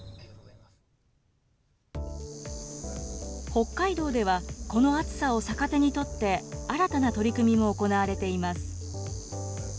北海道では、この暑さを逆手にとって新たな取り組みも行われています。